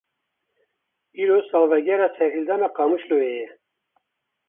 Îro salvegera serhildana Qamişloyê ye.